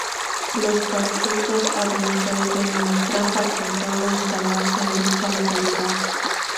Los pastusos habían caído en una trampa con solo instalarse en dicha localidad.